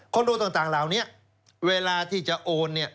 คอนโดต่างเหล่านี้เวลาที่จะโอน